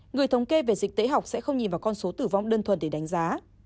người thống kê về dịch tễ học sẽ không nhìn vào con số tử vong đơn thuần để đánh giá